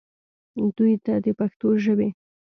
دوي ته د پښتو ژبې